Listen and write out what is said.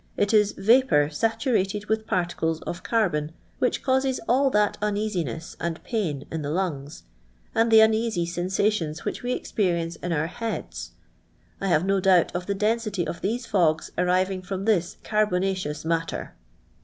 It Is vapour saturated with particles of carbon which causes all that uneasiness and pain in the lungs, and the uneasy sensations which wc experi ence In our heads. 1 have no doubt of the density of these fogs arising from this carbonaceous matter."